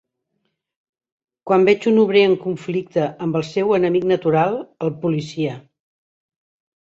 Quan veig un obrer en conflicte amb el seu enemic natural, el policia